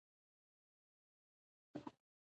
جرایم ډیریږي.